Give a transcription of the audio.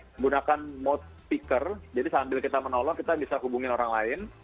menggunakan mode peaker jadi sambil kita menolong kita bisa hubungin orang lain